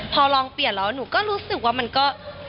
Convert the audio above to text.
พอลองเปลี่ยนแล้วหนูก็รู้สึกว่ามันก็